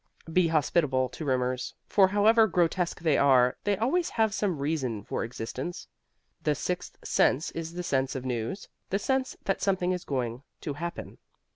Be hospitable to rumors, for however grotesque they are, they always have some reason for existence. The Sixth Sense is the sense of news, the sense that something is going to happen.